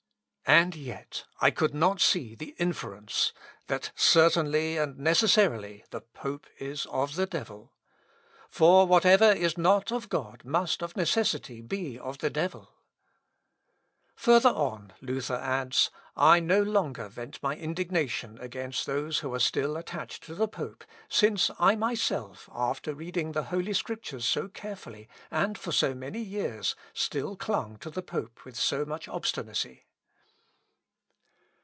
And yet ... I could not see the inference, viz. that certainly and necessarily the pope is of the devil. For whatever is not of God must, of necessity, be of the devil." Further on, Luther adds "I no longer vent my indignation against those who are still attached to the pope, since I myself, after reading the Holy Scriptures so carefully, and for so many years, still clung to the pope with so much obstinacy."